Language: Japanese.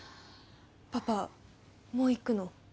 パパもう行くの？